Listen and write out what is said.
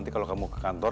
kalau kamu ke kantor